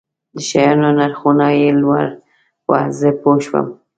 د شیانو نرخونه یې لوړ وو، زه پوه شوم.